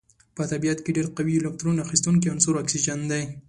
په طبیعت کې ډیر قوي الکترون اخیستونکی عنصر اکسیجن دی.